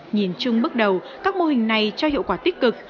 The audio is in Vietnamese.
nhìn chung bước đầu các mô hình này cho hiệu quả tích cực